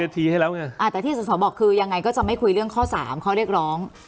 แต่ที่สอสอบอกคือยังไงก็จะไม่คุยเรื่องข้อ๓ข้อเรียกร้อง